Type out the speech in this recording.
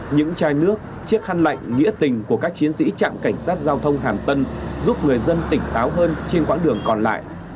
những chai nước chiếc khăn lạnh nghĩa tình của các chiến sĩ trạm cảnh sát giao thông hàm tân giúp người dân tỉnh táo hơn trên quãng đường còn lại